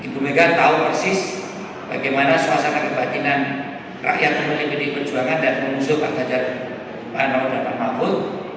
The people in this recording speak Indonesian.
bumega tahu persis bagaimana suasana kebatinan rakyat untuk memiliki perjuangan dan mengusuh pak gajar pak anwar dan pak mahfud